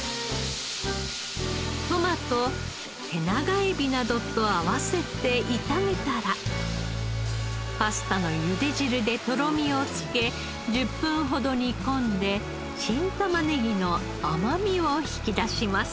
トマト手長エビなどと合わせて炒めたらパスタのゆで汁でとろみをつけ１０分ほど煮込んで新玉ねぎの甘みを引き出します。